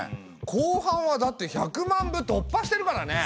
後半はだって１００万部突破してるからね！